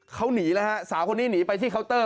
เขาหนีแล้วฮะสาวคนนี้หนีไปที่เคาน์เตอร์